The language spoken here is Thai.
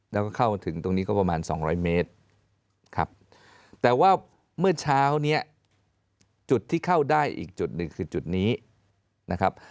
แล้วก็เข้าถึงตรงนี้ก็ประมาณ๒๐๐เมตรครับแต่ว่าเมื่อเช้านี้จุดที่เข้าได้อีกจุดหนึ่งคือจุดนี้นะครับ